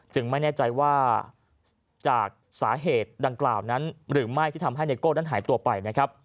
ไม่แน่ใจว่าจากสาเหตุดังกล่าวนั้นหรือไม่ที่ทำให้ไนโก้นั้นหายตัวไปนะครับ